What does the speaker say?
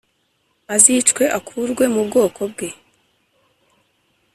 azicwe akurwe mu bwoko bwe